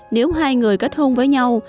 nếu hai người kết hôn với nhau